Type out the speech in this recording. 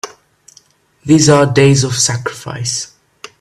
These are days of sacrifice!